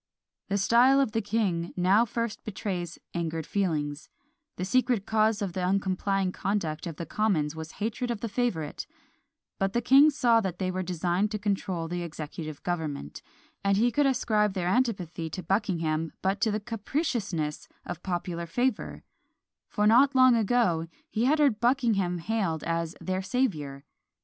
The style of the king now first betrays angered feelings; the secret cause of the uncomplying conduct of the Commons was hatred of the favourite but the king saw that they designed to control the executive government, and he could ascribe their antipathy to Buckingham but to the capriciousness of popular favour; for not long ago he had heard Buckingham hailed as "their saviour."